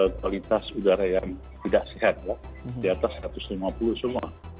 kualitas udara yang tidak sehat ya di atas satu ratus lima puluh semua